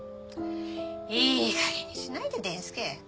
いいかげんにしないて伝助。